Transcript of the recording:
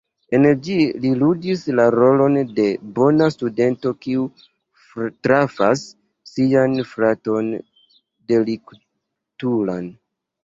En ĝi li ludis la rolon de bona studento kiu trafas sian fraton deliktulan.